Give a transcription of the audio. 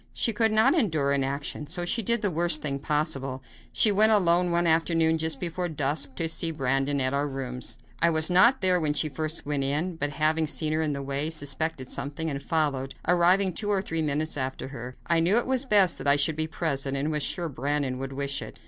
She could not endure inaction, so she did the worst thing possible. She went alone, one afternoon, just before dusk, to see Brandon at our rooms. I was not there when she first went in, but, having seen her on the way, suspected something and followed, arriving two or three minutes after her. I knew it was best that I should be present, and was sure Brandon would wish it.